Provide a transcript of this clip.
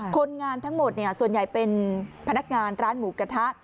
คนงานทั้งหมดส่วนใหญ่เป็นพนักงานร้านหมูกระทะ